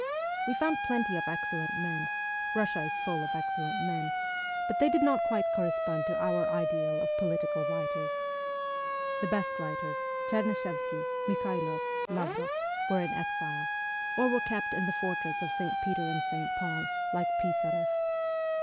We found plenty of excellent men Eussia is full of excel lent men but they did not quite correspond to our ideal of political writers. The best writers Cherny shevsky, Mikhailoff, Lavr6ff were in exile, or were kept in the fortress of St. Peter and St. Paul, like Pisareff.